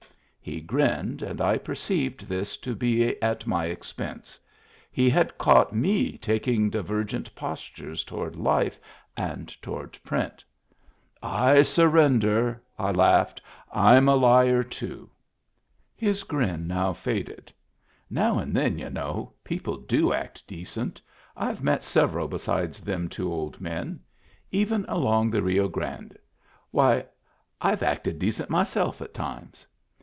He grinned, and I perceived this to be at my expense — he had caught me taking divergent postures toward life and toward print. " I surrender !*' I laughed. " I'm a liar too !" His grin now faded. "Now and then, y'u know, people do act decent. I've met several be sides them two old men. Even along the Rio Grande. Why, I've acted decent myself at times."